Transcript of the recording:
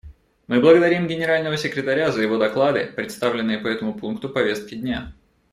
Мы благодарим Генерального секретаря за его доклады, представленные по этому пункту повестки дня.